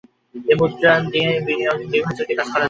এ মুদ্রা দিয়ে বিনিয়োগ, বিভিন্ন চুক্তিসহ নানা কাজ করা হয়।